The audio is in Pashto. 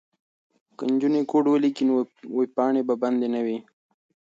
که نجونې کوډ ولیکي نو ویبپاڼې به بندې نه وي.